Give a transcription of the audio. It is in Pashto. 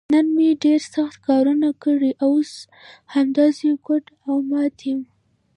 نن مې ډېر سخت کارونه کړي، اوس همداسې ګوډ او مات یم.